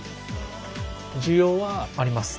需要は？あります。